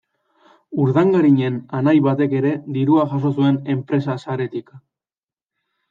Urdangarinen anai batek ere dirua jaso zuen enpresa-saretik.